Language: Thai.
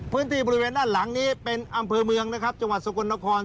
พื้นที่บริเวณด้านหลังนี้เป็นอำเภอเมืองนะครับจังหวัดสกลนคร